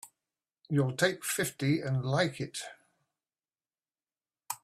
You'll take fifty and like it!